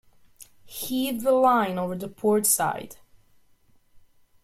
Heave the line over the port side.